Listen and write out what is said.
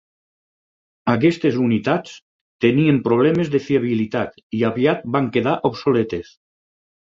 Aquestes unitats tenien problemes de fiabilitat i aviat van quedar obsoletes.